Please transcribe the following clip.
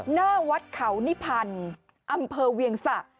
หน้าวัดเขานิพันธ์อำเภอเวียงสะ